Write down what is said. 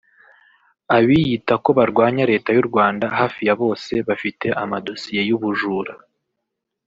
Abiyita ko barwanya Leta y’u Rwanda hafi ya bose bafite amadosiye y’ubujura